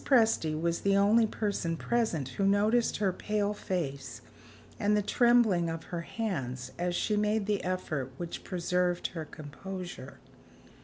Presty was the only person present who noticed her pale face and the trembling of her hands as she made the effort which preserved her composure.